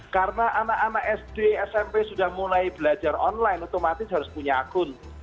karena anak anak sd smp sudah mulai belajar online otomatis harus punya akun